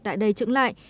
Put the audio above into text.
tại đây trững lại